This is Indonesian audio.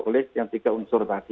oleh yang tiga unsur tadi